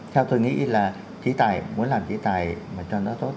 theo tôi nghĩ là chế tài muốn làm chế tài mà cho nó tốt